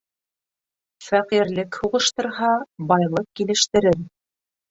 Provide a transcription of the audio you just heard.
Фәҡирлек һуғыштырһа, байлыҡ килештерер.